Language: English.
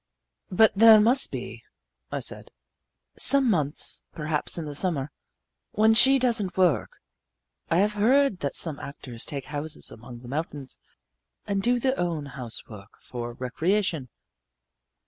"But there must be," I said, "some months, perhaps in the summer, when she doesn't work. I have heard that some actors take houses among the mountains and do their own housework for recreation."